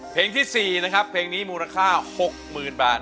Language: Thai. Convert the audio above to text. เพลงที่๔นะครับเพลงนี้มูลค่า๖๐๐๐บาท